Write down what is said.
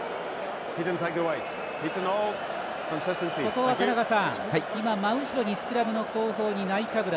ここは田中さん、今、真後ろにスクラムの後方にナイカブラ。